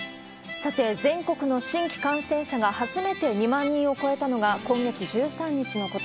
さて、全国の新規感染者が初めて２万人を超えたのが今月１３日のこと。